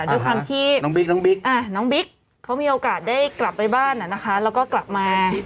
ด้วยความที่เอ้าเขามีโอกาสได้กลับไปบ้านนะนะคะแล้วก็กลับมา